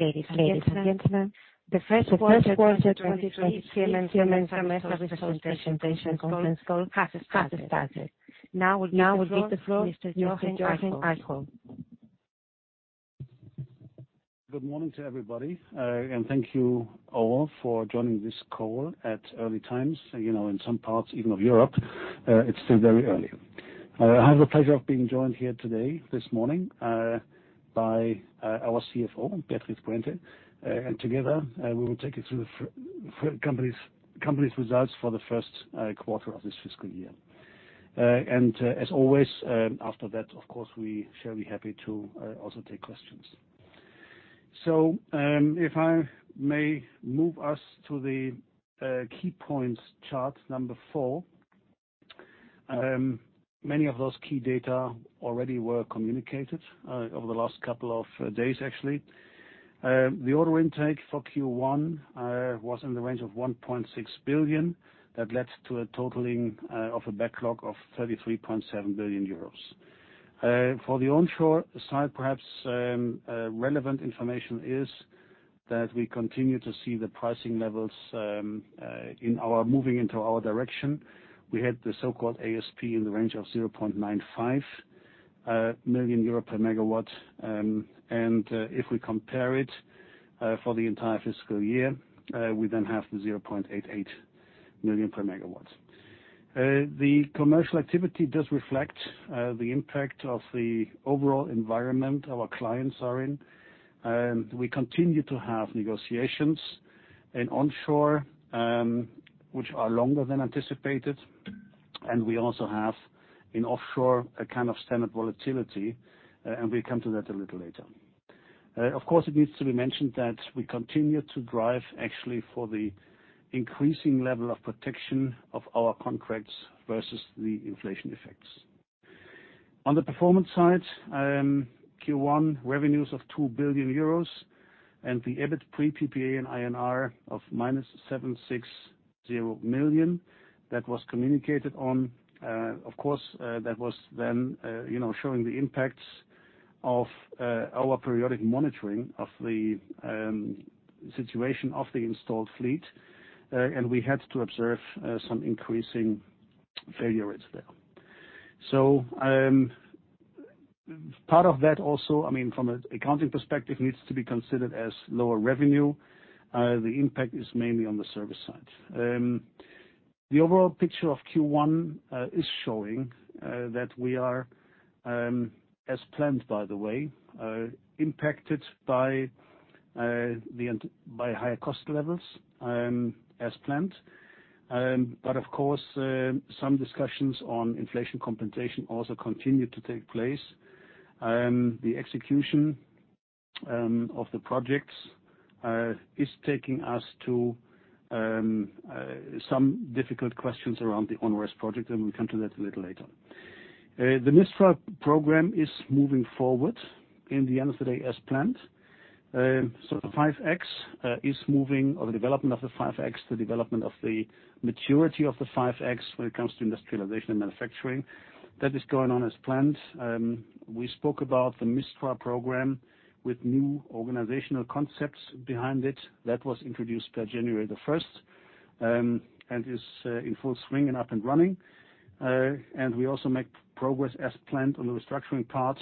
Ladies and gentlemen, the first quarter 2023 Siemens Gamesa results presentation conference call has started. Now will give the floor to Mr. Jochen Eickholt. Good morning to everybody, and thank you all for joining this call at early times. You know, in some parts even of Europe, it's still very early. I have the pleasure of being joined here today, this morning, by our CFO, Beatriz Puente. Together, we will take you through the company's results for the first quarter of this fiscal year. As always, after that, of course, we shall be happy to also take questions. If I may move us to the key points chart number 4. Many of those key data already were communicated over the last couple of days, actually. The order intake for Q1 was in the range of 1.6 billion. That led to a totaling of a backlog of 33.7 billion euros. For the onshore side, perhaps, relevant information is that we continue to see the pricing levels moving into our direction. We had the so-called ASP in the range of 0.95 million euro per megawatt. If we compare it for the entire fiscal year, we then have the 0.88 million per megawatt. The commercial activity does reflect the impact of the overall environment our clients are in. We continue to have negotiations in onshore, which are longer than anticipated. We also have in offshore a kind of standard volatility, and we come to that a little later. Of course, it needs to be mentioned that we continue to drive actually for the increasing level of protection of our contracts versus the inflation effects. On the performance side, Q1 revenues of 2 billion euros and the EBIT pre PPA and I&R of -760 million. That was communicated on, of course, that was then, you know, showing the impacts of our periodic monitoring of the situation of the installed fleet. And we had to observe some increasing failure rates there. Part of that also, I mean, from an accounting perspective, needs to be considered as lower revenue. The impact is mainly on the service side. The overall picture of Q1 is showing that we are, as planned, by the way, impacted by higher cost levels, as planned. Of course, some discussions on inflation compensation also continue to take place. The execution of the projects is taking us to some difficult questions around the onerous project, and we'll come to that a little later. The Mistral program is moving forward in the end of the day as planned. The 5.X is moving, or the development of the 5.X, the development of the maturity of the 5.X when it comes to industrialization and manufacturing. That is going on as planned. We spoke about the Mistral program with new organizational concepts behind it. That was introduced by January the first, and is in full swing and up and running. We also make progress as planned on the restructuring part.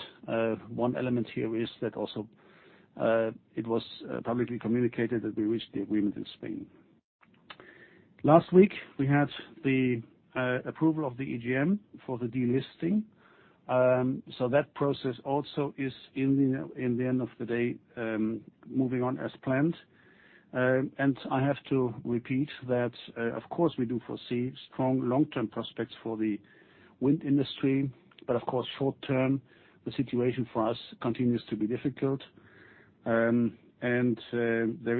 One element here is that also, it was publicly communicated that we reached the agreement in Spain. Last week, we had the approval of the EGM for the delisting. That process also is in the, in the end of the day, moving on as planned. I have to repeat that, of course, we do foresee strong long-term prospects for the wind industry, but of course, short-term, the situation for us continues to be difficult. There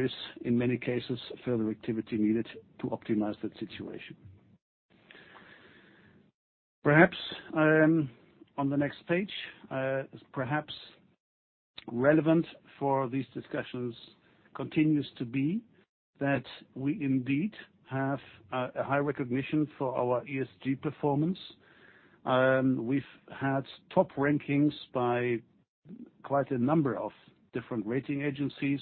is, in many cases, further activity needed to optimize that situation. Perhaps, on the next page, perhaps relevant for these discussions continues to be that we indeed have a high recognition for our ESG performance. We've had top rankings by quite a number of different rating agencies.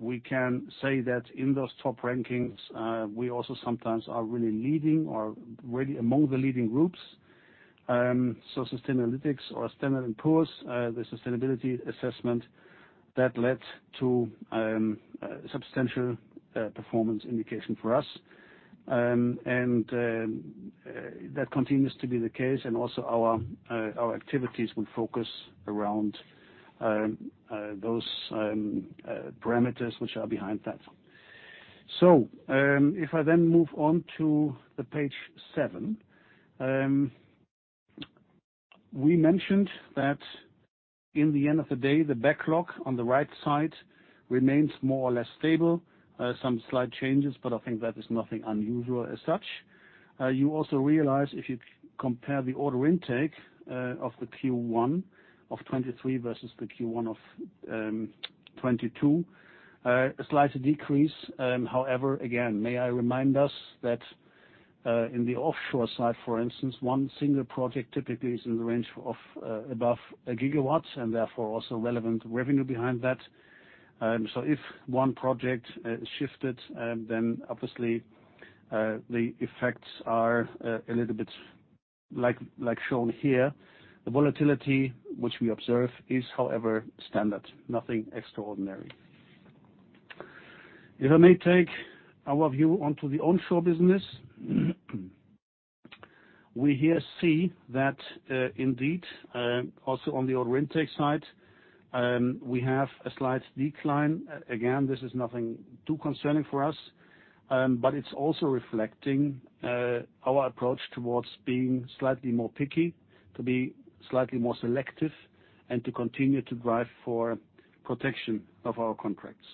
We can say that in those top rankings, we also sometimes are really leading or really among the leading groups. Sustainalytics or Standard & Poor's, the sustainability assessment that led to substantial performance indication for us. That continues to be the case, and also our activities will focus around those parameters which are behind that. If I move on to the page seven, we mentioned that in the end of the day, the backlog on the right side remains more or less stable. Some slight changes, but I think that is nothing unusual as such. You also realize if you compare the order intake of the Q1 of 23 versus the Q1 of 22, a slight decrease. However, again, may I remind us that in the offshore side, for instance, one single project typically is in the range of above a GW and therefore, also relevant revenue behind that. If one project is shifted, then obviously, the effects are a little bit like shown here. The volatility which we observe is, however, standard, nothing extraordinary. If I may take our view onto the Onshore business. We here see that indeed, also on the order intake side, we have a slight decline. Again, this is nothing too concerning for us, it's also reflecting our approach towards being slightly more picky, to be slightly more selective, and to continue to drive for protection of our contracts.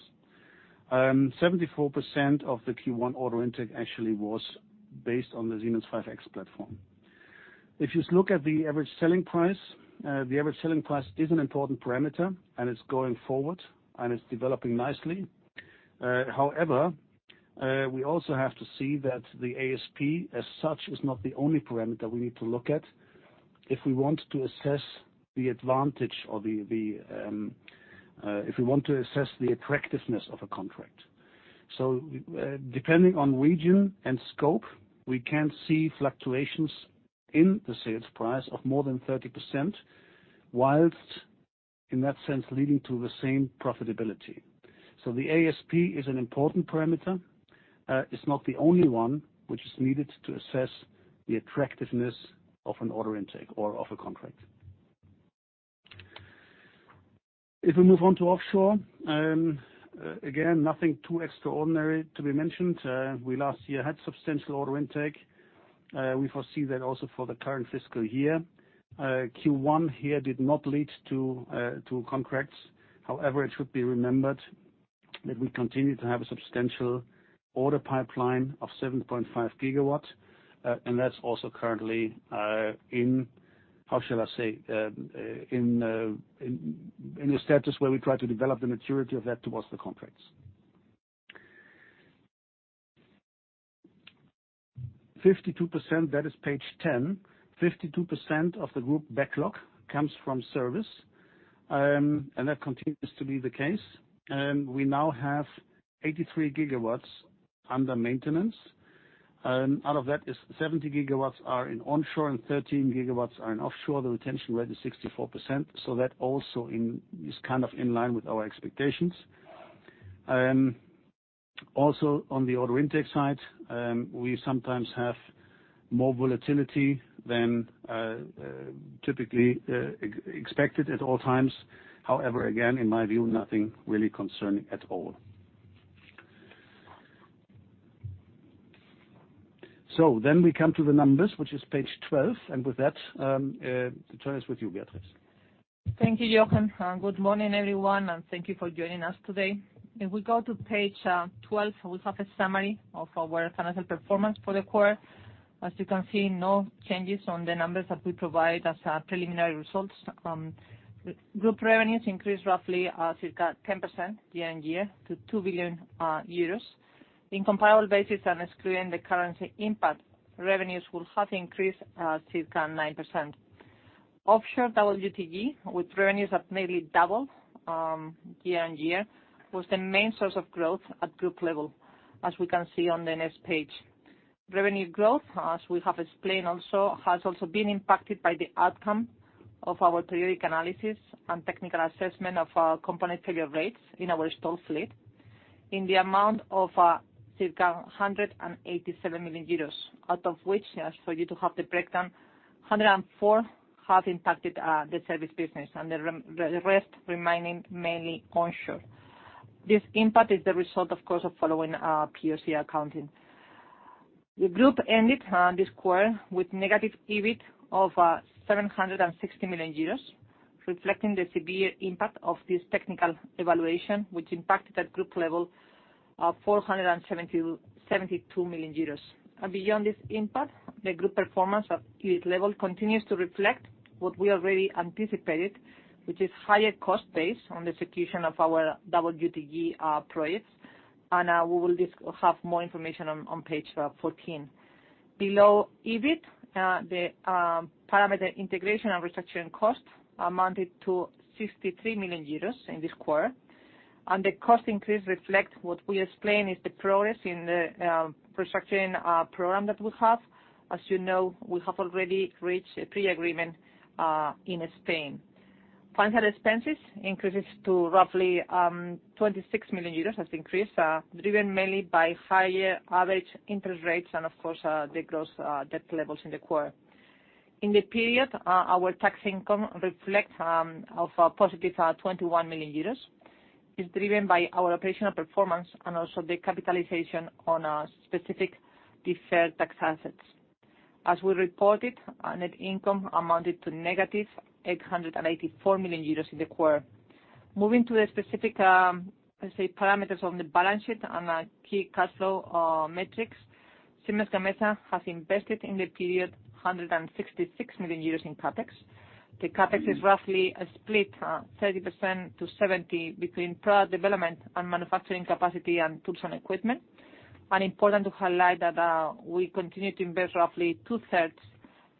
74% of the Q1 order intake actually was based on the Siemens 5X platform. If you look at the average selling price, the average selling price is an important parameter, and it's going forward, and it's developing nicely. However, we also have to see that the ASP as such is not the only parameter we need to look at if we want to assess the advantage or the if we want to assess the attractiveness of a contract. Depending on region and scope, we can see fluctuations in the sales price of more than 30%, whilst in that sense leading to the same profitability. The ASP is an important parameter, it's not the only one which is needed to assess the attractiveness of an order intake or of a contract. If we move on to offshore, again, nothing too extraordinary to be mentioned. We last year had substantial order intake. We foresee that also for the current fiscal year. Q1 here did not lead to contracts. However, it should be remembered that we continue to have a substantial order pipeline of 7.5 Gw, and that's also currently in, how shall I say, in a status where we try to develop the maturity of that towards the contracts. 52%, that is page 10. 52% of the group backlog comes from service, and that continues to be the case. We now have 83Gw under maintenance. Out of that is 70Gw are in onshore and 13Gw are in offshore. The retention rate is 64%, so that also in, is kind of in line with our expectations. Also on the order intake side, we sometimes have more volatility than typically expected at all times. However, again, in my view, nothing really concerning at all. We come to the numbers, which is page 12, and with that, the floor is with you, Beatriz. Thank you, Jochen. Good morning, everyone, thank you for joining us today. If we go to page 12, we have a summary of our financial performance for the quarter. As you can see, no changes on the numbers that we provide as preliminary results. Group revenues increased roughly circa 10% year-on-year to 2 billion euros. In comparable basis excluding the currency impact, revenues will have increased circa 9%. Offshore WTG with revenues have nearly doubled year-on-year, was the main source of growth at group level, as we can see on the next page. Revenue growth, as we have explained also, has also been impacted by the outcome of our periodic analysis and technical assessment of our component failure rates in our installed fleet in the amount of circa 187 million euros. Out of which, just for you to have the breakdown, 104 have impacted the service business, and the rest remaining mainly onshore. This impact is the result, of course, of following POC accounting. The group ended this quarter with negative EBIT of 760 million euros, reflecting the severe impact of this technical evaluation, which impacted at group level 472 million euros. Beyond this impact, the group performance at EBIT level continues to reflect what we already anticipated, which is higher cost base on the execution of our WTG projects. We will have more information on page 14. Below EBIT, the parameter Integration & Restructuring costs amounted to 63 million euros in this quarter. The cost increase reflect what we explained is the progress in the restructuring program that we have. As you know, we have already reached a pre-agreement in Spain. Financial expenses increases to roughly 26 million euros as increase, driven mainly by higher average interest rates and of course, the gross debt levels in the quarter. In the period, our tax income reflects of a positive 21 million euros, is driven by our operational performance and also the capitalization on a specific deferred tax assets. As we reported, our net income amounted to negative 884 million euros in the quarter. Moving to the specific parameters on the balance sheet and key cash flow metrics. Siemens Gamesa has invested in the period 166 million euros in CapEx. The CapEx is roughly a split, 30%-70% between product development and manufacturing capacity and tools and equipment. Important to highlight that we continue to invest roughly 2/3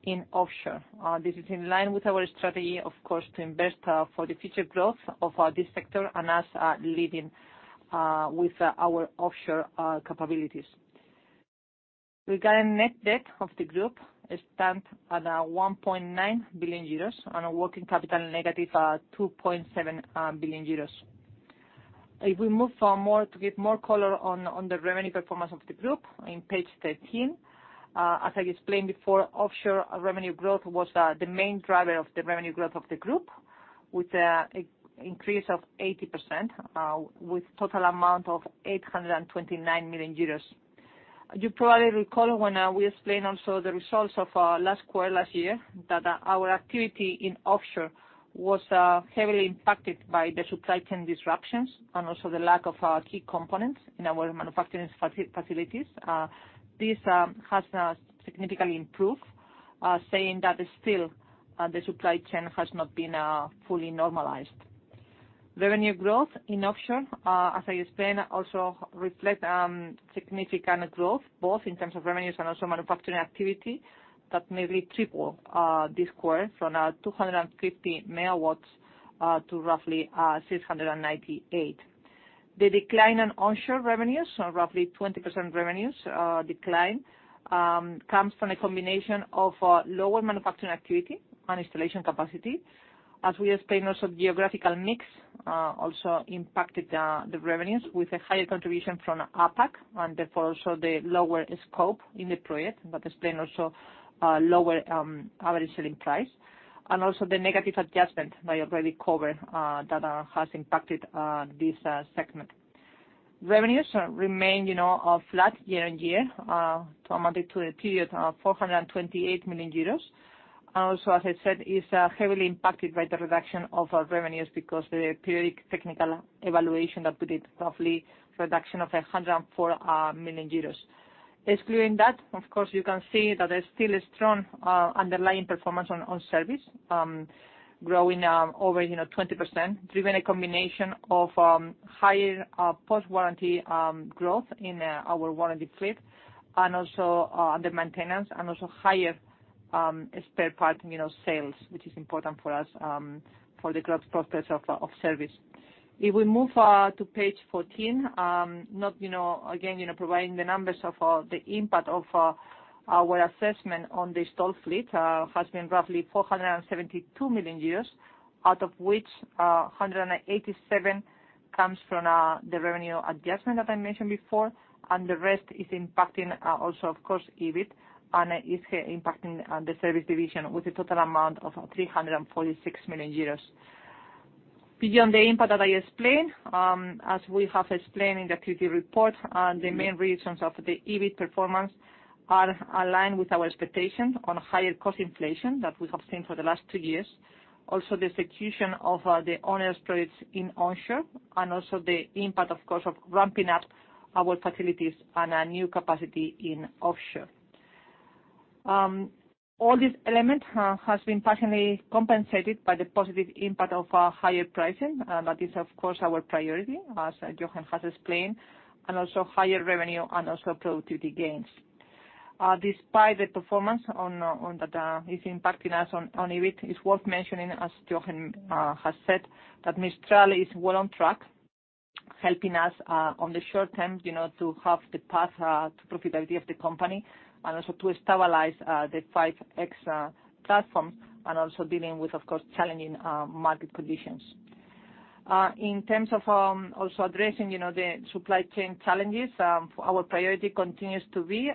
in offshore. This is in line with our strategy, of course, to invest for the future growth of this sector and us leading with our offshore capabilities. Regarding net debt of the group, it stands at 1.9 billion euros on a working capital negative 2.7 billion euros. If we move for more to give more color on the revenue performance of the group in page 13. As I explained before, offshore revenue growth was the main driver of the revenue growth of the group, with an increase of 80%, with total amount of 829 million euros. You probably recall when we explained also the results of last quarter, last year, that our activity in offshore was heavily impacted by the supply chain disruptions and also the lack of key components in our manufacturing facilities. This has significantly improved, saying that still the supply chain has not been fully normalized. Revenue growth in offshore, as I explained, also reflect significant growth, both in terms of revenues and also manufacturing activity that nearly triple this quarter from 250 megawatts to roughly 698. The decline in onshore revenues or roughly 20% revenues, decline comes from a combination of lower manufacturing activity and installation capacity. As we explained, also geographical mix also impacted the revenues with a higher contribution from APAC, and therefore also the lower scope in the project. That explain also lower average selling price and also the negative adjustment that I already covered, that has impacted this segment. Revenues remain, you know, flat year-on-year, to amounted to a period of 428 million euros. Also, as I said, is heavily impacted by the reduction of our revenues because the periodic technical evaluation that put it roughly reduction of 104 million euros. Excluding that, of course, you can see that there's still a strong, underlying performance on service, growing over 20% driven a combination of higher post-warranty growth in our warranty fleet and also the maintenance and also higher spare part sales, which is important for us for the growth process of service. If we move to page 14, not, you know, again, you know, providing the numbers of the impact of our assessment on the installed fleet has been roughly 472 million, out of which 187 million comes from the revenue adjustment that I mentioned before, and the rest is impacting, also, of course, EBIT and is impacting the service division with a total amount of 346 million euros. Beyond the impact that I explained, as we have explained in the Q3 report, the main reasons of the EBIT performance are aligned with our expectations on higher cost inflation that we have seen for the last 2 years. The execution of the onerous projects in Onshore and also the impact, of course, of ramping up our facilities and a new capacity in Offshore. All these elements has been partially compensated by the positive impact of higher pricing, and that is of course our priority, as Jochen has explained, and also higher revenue and also productivity gains. Despite the performance on that, is impacting us on EBIT, it's worth mentioning, as Jochen has said, that Mistral is well on track, helping us on the short term, you know, to have the path to profitability of the company and also to stabilize the 5.X platforms and also dealing with, of course, challenging market conditions. In terms of, also addressing, you know, the supply chain challenges, our priority continues to be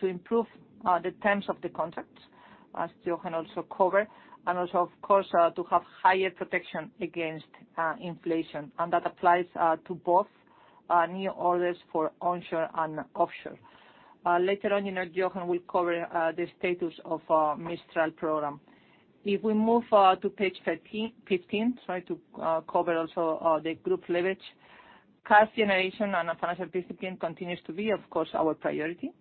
to improve the terms of the contracts, as Jochen also covered. Also, of course, to have higher protection against inflation, and that applies to both new orders for Onshore and offshore. Later on, you know, Jochen will cover the status of Mistral program. If we move to page 15, sorry, to cover also the group leverage. Cash generation and financial discipline continues to be, of course, our priority.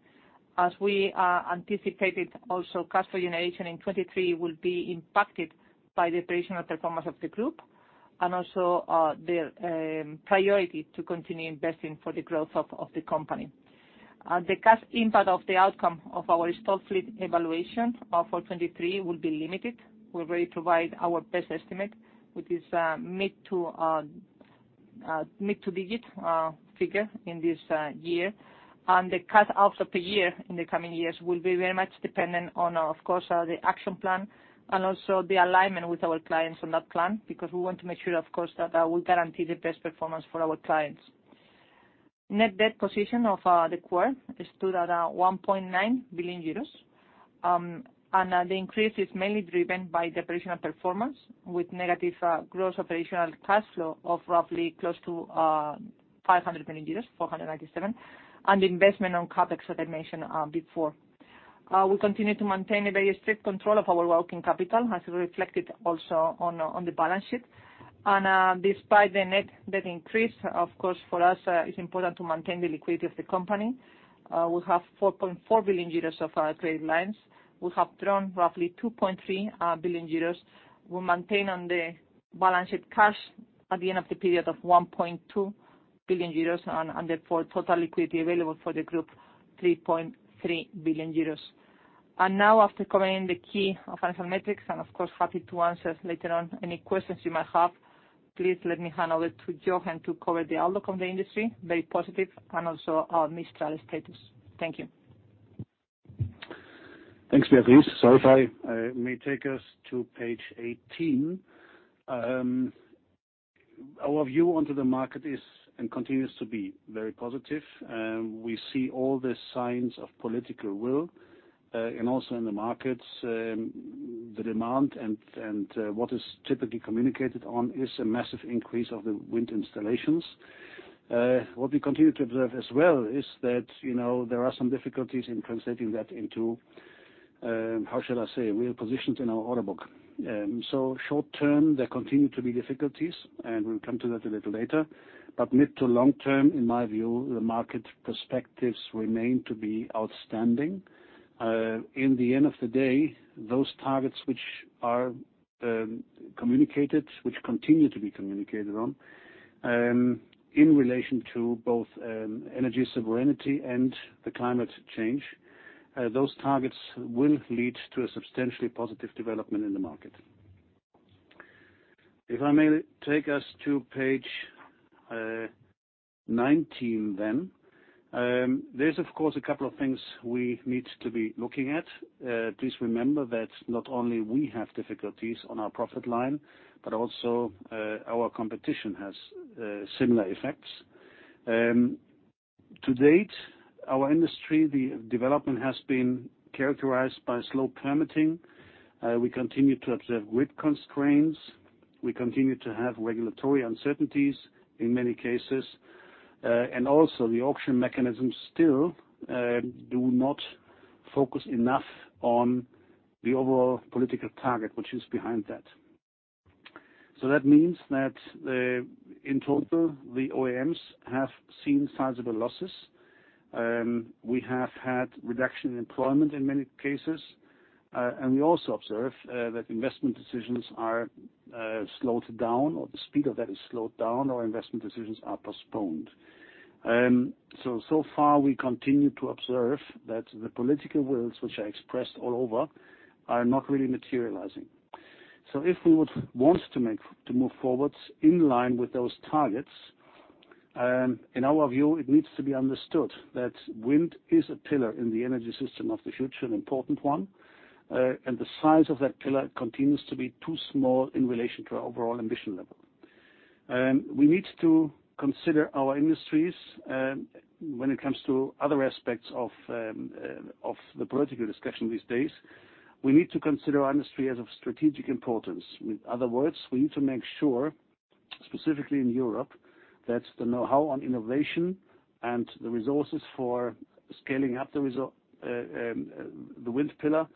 As we anticipated, also, cash generation in 23 will be impacted by the operational performance of the group and also the priority to continue investing for the growth of the company. The cash impact of the outcome of our installed fleet evaluation for 2023 will be limited. We already provide our best estimate, which is mid to digit figure in this year. The cash outs of the year in the coming years will be very much dependent on, of course, the action plan and also the alignment with our clients on that plan, because we want to make sure, of course, that we guarantee the best performance for our clients. Net debt position of the quarter stood at 1.9 billion euros. The increase is mainly driven by the operational performance with negative gross operational cash flow of roughly close to 500 million euros, 497 million, and the investment on CapEx that I mentioned before. We continue to maintain a very strict control of our working capital, as reflected also on the balance sheet. Despite the net debt increase, of course, for us, it's important to maintain the liquidity of the company. We have 4.4 billion euros of our credit lines. We have drawn roughly 2.3 billion euros. We maintain on the balance sheet cash at the end of the period of 1.2 billion euros, and therefore, total liquidity available for the group, 3.3 billion euros. Now after covering the key financial metrics, and of course, happy to answer later on any questions you might have, please let me hand over to Jochen to cover the outlook on the industry, very positive, and also our Mistral status. Thank you. Thanks, Beatriz. If I may take us to page 18. Our view onto the market is and continues to be very positive. We see all the signs of political will and also in the markets, the demand and what is typically communicated on is a massive increase of the wind installations. What we continue to observe as well is that, you know, there are some difficulties in translating that into, how shall I say, real positions in our order book. Short-term, there continue to be difficulties, and we'll come to that a little later. Mid to long-term, in my view, the market perspectives remain to be outstanding. In the end of the day, those targets which are communicated, which continue to be communicated on in relation to both energy sovereignty and the climate change, those targets will lead to a substantially positive development in the market. I may take us to page 19 then. There is, of course, a couple of things we need to be looking at. Please remember that not only we have difficulties on our profit line, but also our competition has similar effects. To date, our industry, the development has been characterized by slow permitting. We continue to observe grid constraints. We continue to have regulatory uncertainties in many cases. Also the auction mechanisms still do not focus enough on the overall political target, which is behind that. That means that in total, the OEMs have seen sizable losses. We have had reduction in employment in many cases, and we also observe that investment decisions are slowed down, or the speed of that is slowed down, or investment decisions are postponed. So far, we continue to observe that the political wills, which are expressed all over, are not really materializing. If we would want to move forwards in line with those targets, in our view, it needs to be understood that wind is a pillar in the energy system of the future, an important one, and the size of that pillar continues to be too small in relation to our overall ambition level. We need to consider our industries, when it comes to other aspects of the political discussion these days. We need to consider our industry as of strategic importance. In other words, we need to make sure, specifically in Europe, that the know-how on innovation and the resources for scaling up the wind pillar,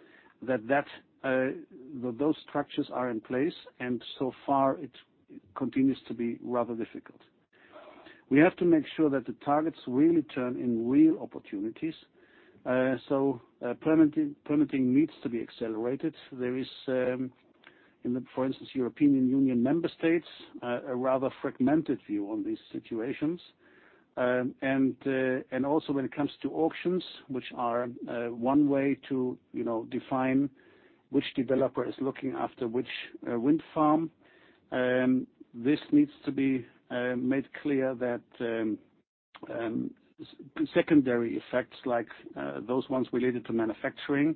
that those structures are in place, and so far it continues to be rather difficult. We have to make sure that the targets really turn in real opportunities, so permitting needs to be accelerated. There is, in the, for instance, European Union member states, a rather fragmented view on these situations. Also when it comes to auctions, which are one way to, you know, define which developer is looking after which wind farm, this needs to be made clear that secondary effects like those ones related to manufacturing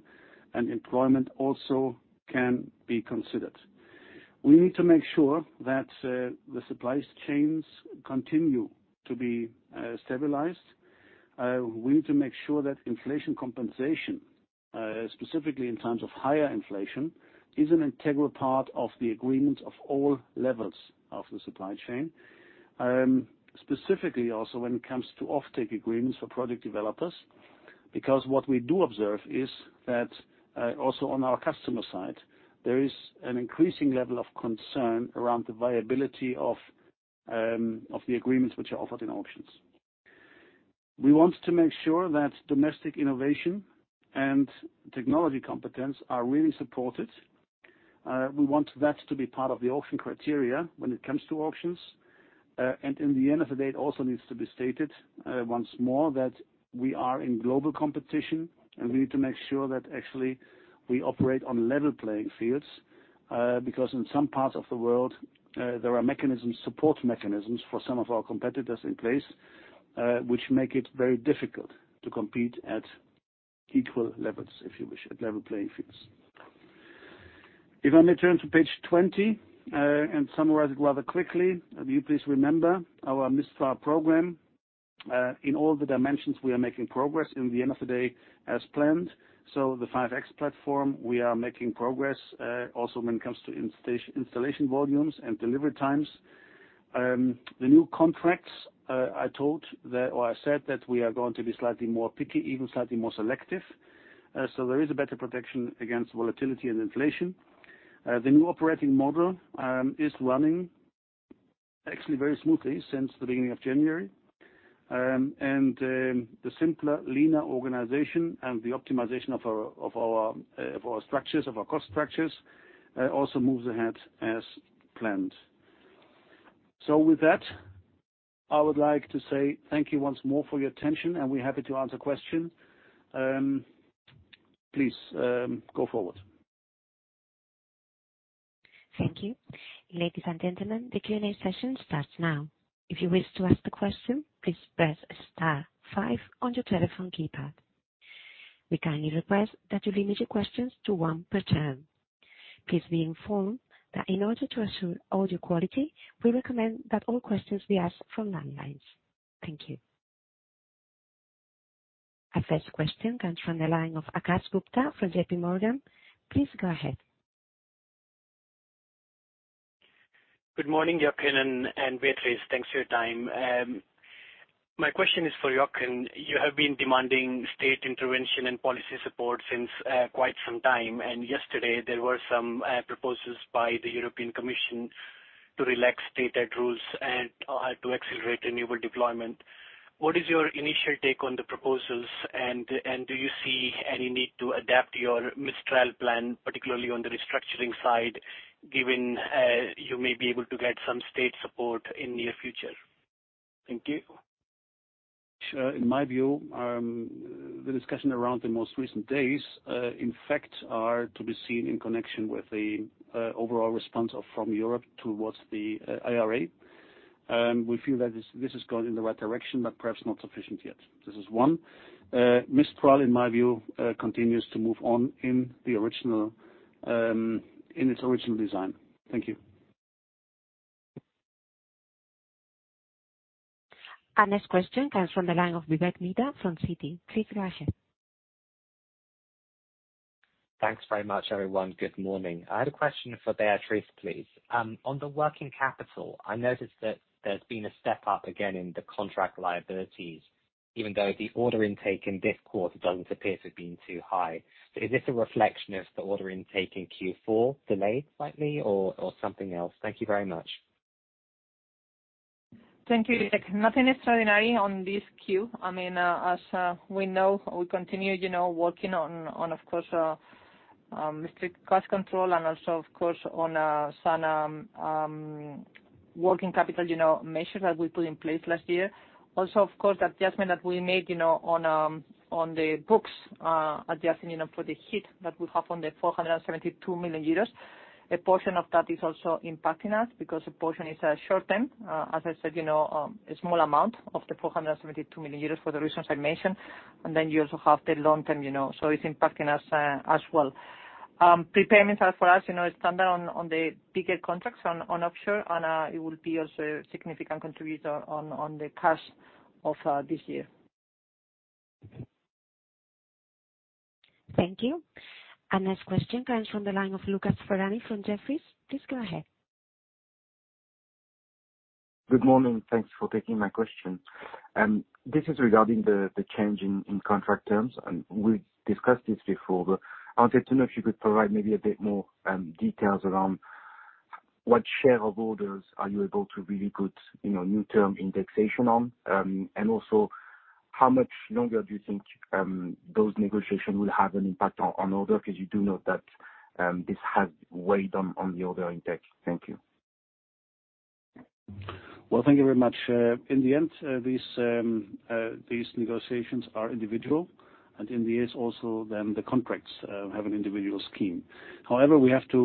and employment also can be considered. We need to make sure that the supplies chains continue to be stabilized. We need to make sure that inflation compensation, specifically in times of higher inflation, is an integral part of the agreement of all levels of the supply chain. Specifically also when it comes to offtake agreements for project developers, because what we do observe is that also on our customer side, there is an increasing level of concern around the viability of the agreements which are offered in auctions. We want to make sure that domestic innovation and technology competence are really supported. We want that to be part of the auction criteria when it comes to auctions. In the end of the day, it also needs to be stated once more that we are in global competition, and we need to make sure that actually we operate on level playing fields, because in some parts of the world, there are mechanisms, support mechanisms for some of our competitors in place, which make it very difficult to compete at equal levels, if you wish, at level playing fields. If I may turn to page 20 and summarize it rather quickly. Will you please remember our Mistral program. In all the dimensions, we are making progress in the end of the day as planned. The 5.X platform, we are making progress, also when it comes to installation volumes and delivery times. The new contracts, I told there or I said that we are going to be slightly more picky, even slightly more selective. There is a better protection against volatility and inflation. The new operating model is running actually very smoothly since the beginning of January. And the simpler, leaner organization and the optimization of our structures, of our cost structures, also moves ahead as planned. With that, I would like to say thank you once more for your attention, and we're happy to answer question. Please go forward. Thank you. Ladies and gentlemen, the Q&A session starts now. If you wish to ask the question, please press star five on your telephone keypad. We kindly request that you limit your questions to one per turn. Please be informed that in order to ensure audio quality, we recommend that all questions be asked from landlines. Thank you. Our first question comes from the line of Akash Gupta from JPMorgan. Please go ahead. Good morning, Jochen and Beatriz. Thanks for your time. My question is for Jochen. You have been demanding state intervention and policy support since quite some time. Yesterday, there were some proposals by the European Commission to relax state aid rules and to accelerate enable deployment. What is your initial take on the proposals? Do you see any need to adapt your Mistral plan, particularly on the restructuring side, given you may be able to get some state support in near future? Thank you. Sure. In my view, the discussion around the most recent days, in fact, are to be seen in connection with the overall response of from Europe towards the IRA. We feel that this is going in the right direction, but perhaps not sufficient yet. This is one. Mistral, in my view, continues to move on in the original, in its original design. Thank you. Our next question comes from the line of Vivek Midha from Citi. Please go ahead. Thanks very much, everyone. Good morning. I had a question for Beatriz, please. On the working capital, I noticed that there's been a step up again in the contract liabilities, even though the order intake in this quarter doesn't appear to have been too high. Is this a reflection of the order intake in Q4 delayed slightly or something else? Thank you very much. Thank you, Vivek. Nothing extraordinary on this queue. I mean, as we know, we continue, you know, working on, of course, strict cost control and also, of course, on some working capital, you know, measures that we put in place last year. Also, of course, the adjustment that we made, you know, on the books, adjusting, you know, for the hit that we have on the 472 million euros. A portion of that is also impacting us because a portion is short-term. As I said, you know, a small amount of the 472 million euros for the reasons I mentioned. You also have the long-term, you know. It's impacting us as well. Prepayments are for us, you know, standard on the bigger contracts on offshore and, it will be also a significant contributor on the cash of this year. Thank you. Our next question comes from the line of Lucas Ferhani from Jefferies. Please go ahead. Good morning. Thanks for taking my question. This is regarding the change in contract terms. We've discussed this before, but I wanted to know if you could provide maybe a bit more details around what share of orders are you able to really put, you know, new term indexation on. Also, how much longer do you think those negotiations will have an impact on order? 'Cause you do know that this has weighed on the order intake. Thank you. Well, thank you very much. In the end, these negotiations are individual, and in the years also then the contracts have an individual scheme. However, we have to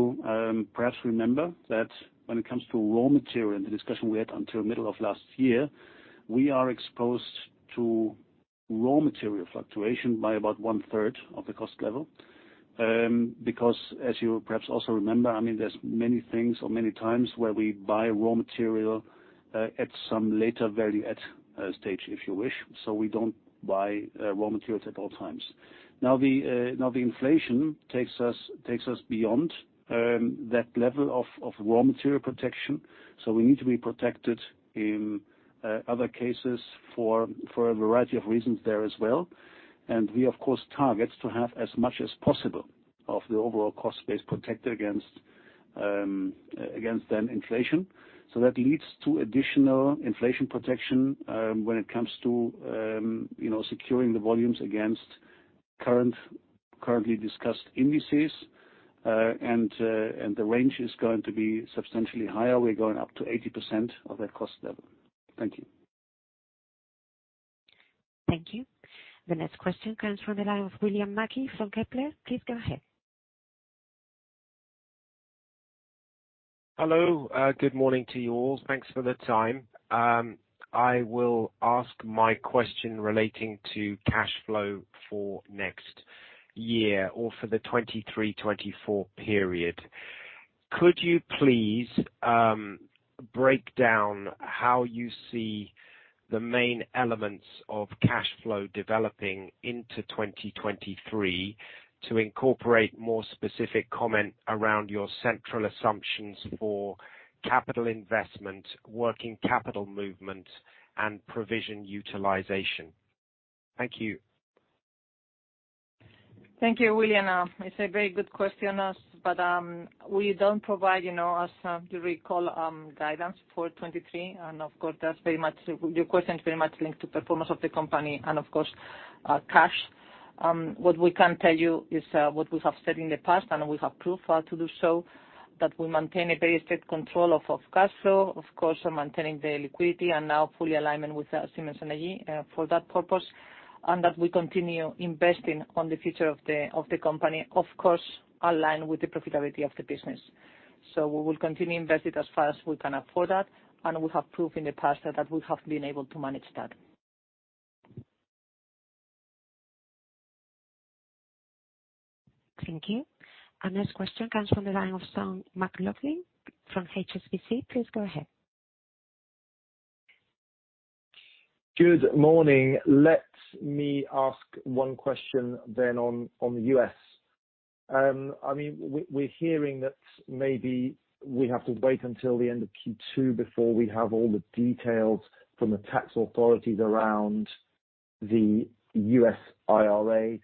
perhaps remember that when it comes to raw material and the discussion we had until middle of last year, we are exposed to raw material fluctuation by about one-third of the cost level. Because as you perhaps also remember, I mean, there's many things or many times where we buy raw material at some later value at stage, if you wish. We don't buy raw materials at all times. Now, the inflation takes us beyond that level of raw material protection. We need to be protected in other cases for a variety of reasons there as well. We of course target to have as much as possible of the overall cost base protected against inflation. That leads to additional inflation protection, when it comes to, you know, securing the volumes against current, currently discussed indices. The range is going to be substantially higher. We're going up to 80% of that cost level. Thank you. Thank you. The next question comes from the line of William Mackie from Kepler. Please go ahead. Hello. Good morning to you all. Thanks for the time. I will ask my question relating to cash flow for next year or for the 2023/2024 period. Could you please break down. How you see the main elements of cash flow developing into 2023 to incorporate more specific comment around your central assumptions for capital investment, working capital movement, and provision utilization? Thank you. Thank you, William. It's a very good question. We don't provide, you know, as you recall, guidance for 23, of course, your question is very much linked to performance of the company and of course, cash. What we can tell you is what we have said in the past, and we have proof to do so, that we maintain a very strict control of cash flow. Of course, we're maintaining the liquidity now fully alignment with Siemens Energy for that purpose. That we continue investing on the future of the company, of course, aligned with the profitability of the business. We will continue invested as far as we can afford that, we have proved in the past that we have been able to manage that. Thank you. Our next question comes from the line of Sean McLoughlin from HSBC. Please go ahead. Good morning. Let me ask one question then on the U.S. I mean, we're hearing that maybe we have to wait until the end of Q-two before we have all the details from the tax authorities around the U.S. IRA.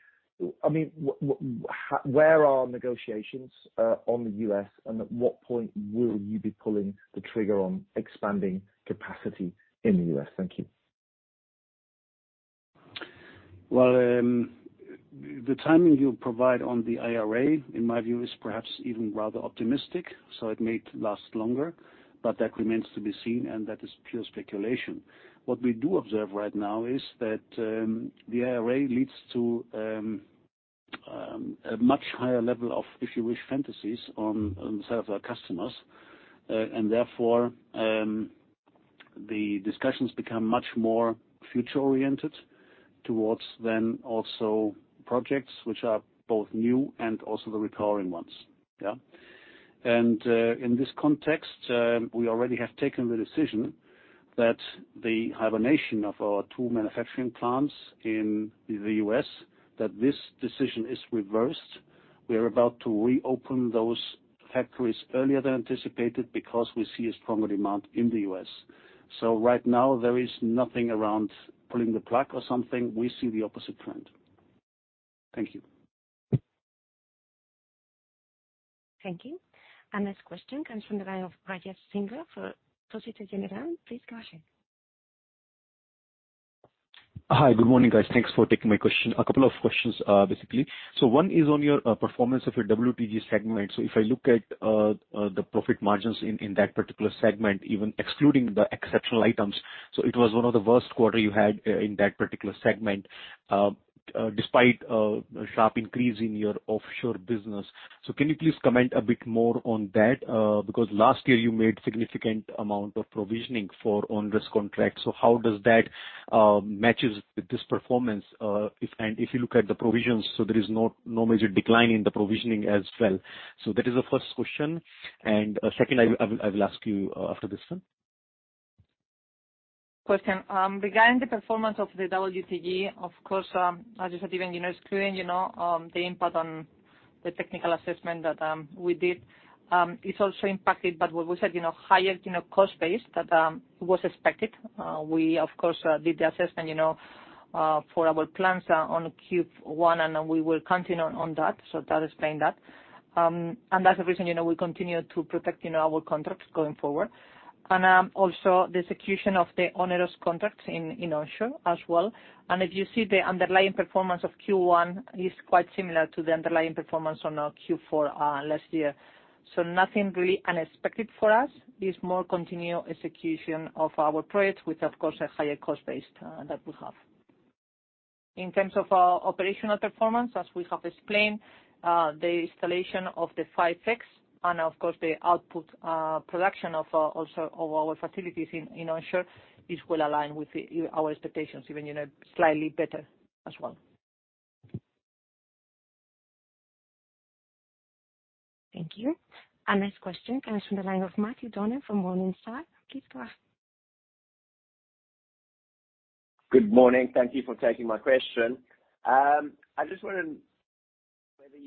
I mean, where are negotiations on the U.S., and at what point will you be pulling the trigger on expanding capacity in the U.S.? Thank you. Well, the timing you provide on the IRA, in my view, is perhaps even rather optimistic, so it may last longer, but that remains to be seen, and that is pure speculation. What we do observe right now is that the IRA leads to a much higher level of, if you wish, fantasies on some of our customers. Therefore, the discussions become much more future-oriented towards then also projects which are both new and also the recurring ones. In this context, we already have taken the decision that the hibernation of our two manufacturing plants in the U.S., that this decision is reversed. We are about to reopen those factories earlier than anticipated because we see a stronger demand in the U.S. Right now there is nothing around pulling the plug or something. We see the opposite trend. Thank you. Thank you. Our next question comes from the line of Rajesh Singla for Société Générale. Please go ahead. Hi. Good morning, guys. Thanks for taking my question. A couple of questions, basically. One is on your performance of your WTG segment. If I look at the profit margins in that particular segment, even excluding the exceptional items, it was one of the worst quarter you had in that particular segment, despite a sharp increase in your offshore business. Can you please comment a bit more on that? Because last year you made significant amount of provisioning for onerous contracts. How does that matches with this performance? If you look at the provisions, there is no major decline in the provisioning as well. That is the first question. Second I will ask you after this one. Question. Regarding the performance of the WTG, of course, as you said even, excluding the impact on the technical assessment that we did, it's also impacted by what we said, higher cost base that was expected. We of course, did the assessment for our plans on Q1, we will continue on that. That explain that. That's the reason we continue to protect our contracts going forward. Also the execution of the onerous contracts in onshore as well. If you see the underlying performance of Q1 is quite similar to the underlying performance on Q4 last year. Nothing really unexpected for us. It's more continued execution of our projects with, of course, a higher cost base, that we have. In terms of operational performance, as we have explained, the installation of the 5.X and of course, the output production of also of our facilities in Onshore is well aligned with our expectations, even, you know, slightly better as well. Thank you. Our next question comes from the line of Matthew Donner from Morningstar. Please go ahead. Good morning. Thank you for taking my question.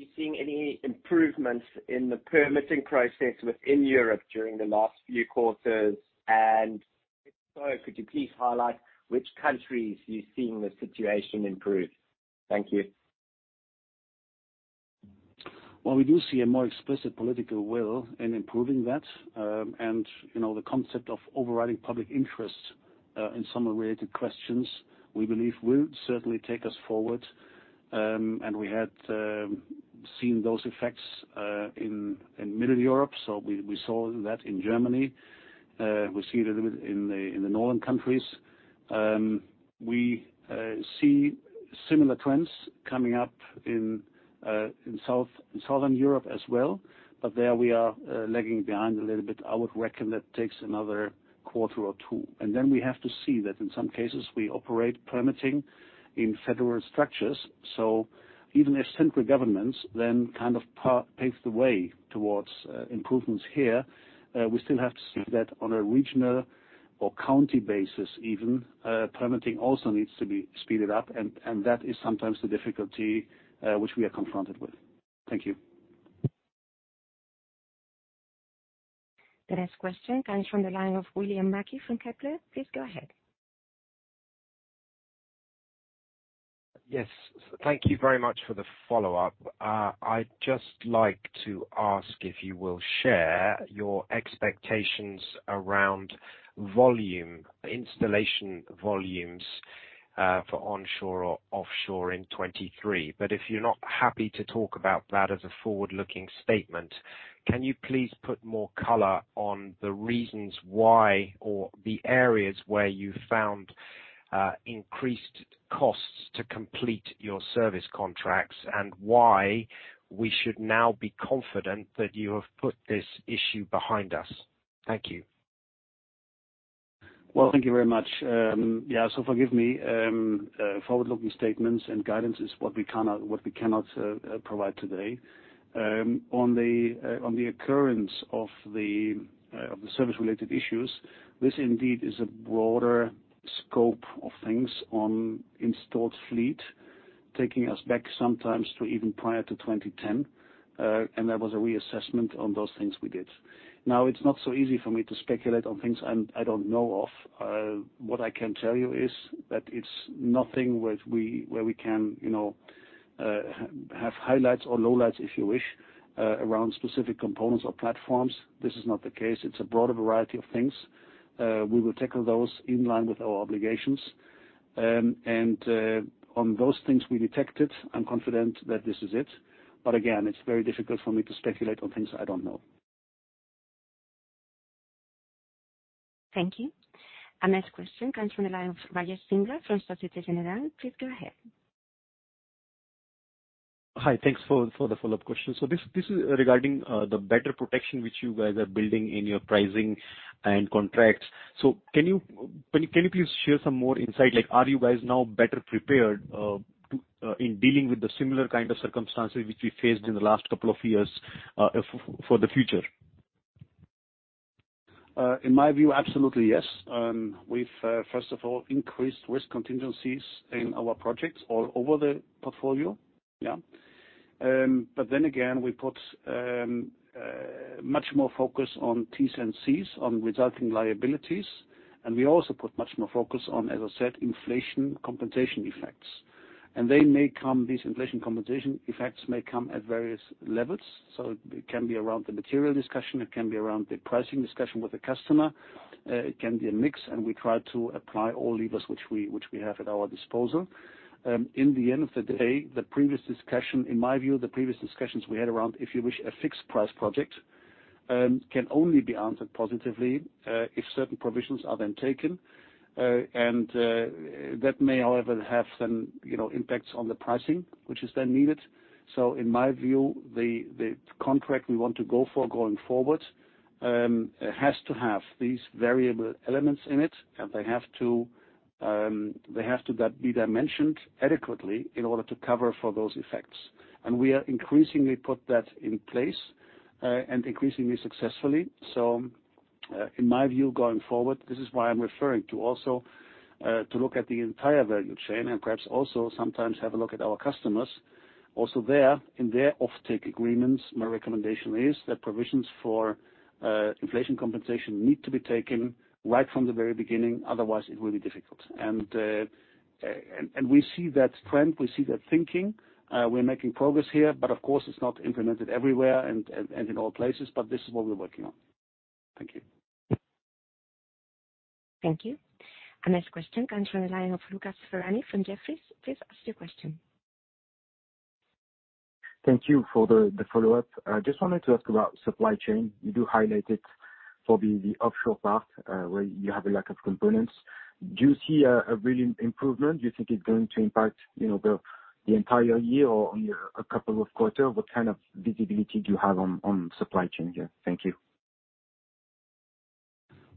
I just wonder whether you're seeing any improvements in the permitting process within Europe during the last few quarters. If so, could you please highlight which countries you're seeing the situation improve? Thank you. Well, we do see a more explicit political will in improving that. You know, the concept of overriding public interest in some related questions, we believe will certainly take us forward. We had seen those effects in Middle Europe. We saw that in Germany. We see it a little bit in the northern countries. We see similar trends coming up in Southern Europe as well. There we are lagging behind a little bit. I would reckon that takes another quarter or two. We have to see that in some cases we operate permitting in federal structures. Even if central governments then kind of paves the way towards improvements here, we still have to see that on a regional or county basis even, permitting also needs to be speeded up, and that is sometimes the difficulty which we are confronted with. Thank you. The next question comes from the line of William Mackie from Kepler. Please go ahead. Yes. Thank you very much for the follow-up. I'd just like to ask if you will share your expectations around volume, installation volumes for onshore or offshore in 2023. If you're not happy to talk about that as a forward-looking statement, can you please put more color on the reasons why or the areas where you found increased costs to complete your service contracts, and why we should now be confident that you have put this issue behind us? Thank you. Thank you very much. Forgive me, forward-looking statements and guidance is what we cannot provide today. On the occurrence of the service-related issues, this indeed is a broader scope of things on installed fleet, taking us back sometimes to even prior to 2010. There was a reassessment on those things we did. It's not so easy for me to speculate on things I don't know of. What I can tell you is that it's nothing where we, where we can, you know, have highlights or lowlights, if you wish, around specific components or platforms. This is not the case. It's a broader variety of things. We will tackle those in line with our obligations. On those things we detected, I'm confident that this is it. Again, it's very difficult for me to speculate on things I don't know. Thank you. Our next question comes from the line of Rajesh Singla from Société Générale. Please go ahead. Hi. Thanks for the follow-up question. This is regarding the better protection which you guys are building in your pricing and contracts. Can you please share some more insight, like are you guys now better prepared to in dealing with the similar kind of circumstances which we faced in the last couple of years for the future? In my view, absolutely yes. We've, first of all, increased risk contingencies in our projects all over the portfolio. Then again, we put much more focus on T&Cs on resulting liabilities, and we also put much more focus on, as I said, inflation compensation effects. They may come, these inflation compensation effects may come at various levels. It can be around the material discussion, it can be around the pricing discussion with the customer, it can be a mix, and we try to apply all levers which we have at our disposal. In the end of the day, the previous discussions we had around, if you wish, a fixed price project, can only be answered positively, if certain provisions are then taken. That may, however, have some, you know, impacts on the pricing which is then needed. In my view, the contract we want to go for going forward has to have these variable elements in it, and they have to be dimensioned adequately in order to cover for those effects. We are increasingly put that in place and increasingly successfully. In my view, going forward, this is why I'm referring to also to look at the entire value chain and perhaps also sometimes have a look at our customers. Also there, in their offtake agreements, my recommendation is that provisions for inflation compensation need to be taken right from the very beginning, otherwise it will be difficult. We see that trend, we see that thinking, we're making progress here, but of course, it's not implemented everywhere and in all places, but this is what we're working on. Thank you. Thank you. Our next question comes from the line of Lucas Ferhani from Jefferies. Please ask your question. Thank you for the follow-up. I just wanted to ask about supply chain. You do highlight it for the offshore part, where you have a lack of components. Do you see a real improvement? Do you think it's going to impact, you know, the entire year or only a couple of quarters? What kind of visibility do you have on supply chain here? Thank you.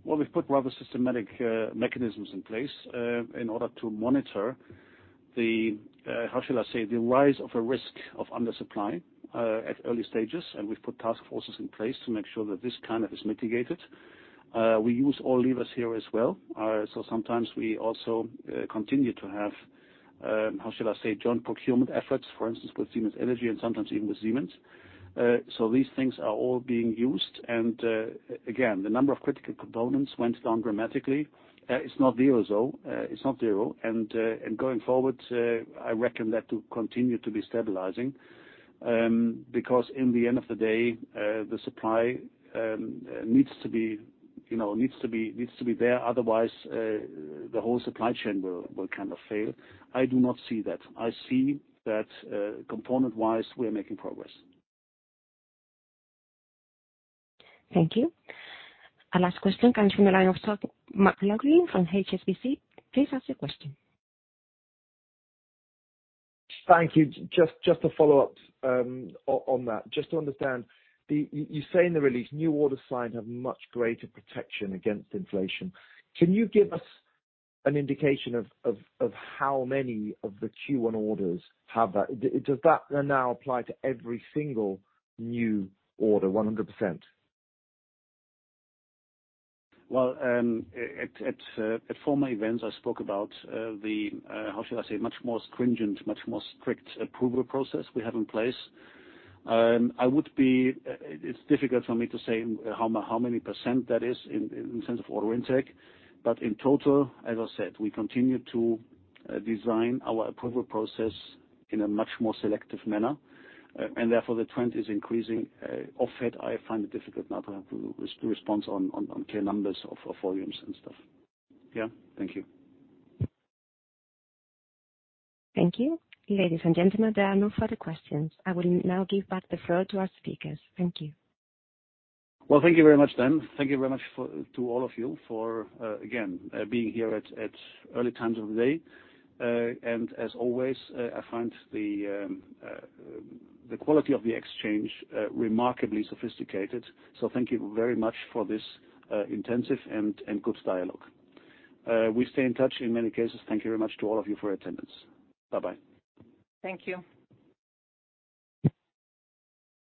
We've put rather systematic mechanisms in place in order to monitor the, how shall I say, the rise of a risk of undersupply at early stages, and we've put task forces in place to make sure that this kind of is mitigated. We use all levers here as well. Sometimes we also continue to have, how shall I say, joint procurement efforts, for instance, with Siemens Energy and sometimes even with Siemens. These things are all being used, and again, the number of critical components went down dramatically. It's not zero, though. It's not zero. Going forward, I reckon that to continue to be stabilizing, because in the end of the day, the supply, you know, needs to be there. Otherwise, the whole supply chain will kind of fail. I do not see that. I see that, component-wise, we are making progress. Thank you. Our last question comes from the line of Sean McLaughlin from HSBC. Please ask your question. Thank you. Just to follow up on that, just to understand. You say in the release new orders signed have much greater protection against inflation. Can you give us an indication of how many of the Q1 orders have that? Does that now apply to every single new order 100%? Well, at former events, I spoke about the how shall I say, much more stringent, much more strict approval process we have in place. I would be... It's difficult for me to say how many % that is in sense of order intake. In total, as I said, we continue to design our approval process in a much more selective manner, and therefore, the trend is increasing. Offhead, I find it difficult now to respond on clear numbers of volumes and stuff. Yeah. Thank you. Thank you. Ladies and gentlemen, there are no further questions. I will now give back the floor to our speakers. Thank you. Well, thank you very much. Thank you very much to all of you for again being here at early times of the day. As always, I find the quality of the exchange remarkably sophisticated. Thank you very much for this intensive and good dialogue. We stay in touch in many cases. Thank you very much to all of you for your attendance. Bye-bye. Thank you.